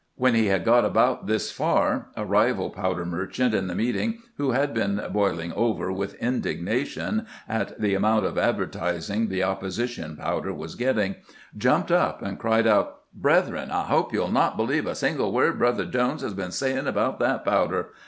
When he had got about this far a rival powder merchant in the meet ing, who had been boiling over with indignation at the amount of advertising the opposition powder was getting, jumped up and cried out: 'Brethren, I hope you 'U not believe a single word Brother Jones has been sayin' about that powder.